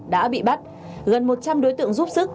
đã bị bắt gần một trăm linh đối tượng giúp sức